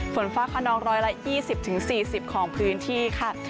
ฝนฟ้าขนอง๑๒๐๔๐ของพื้นที่ค่ะ